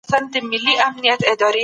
څېړونکی باید بې تعصبه او ژوره تجزیه وکړي.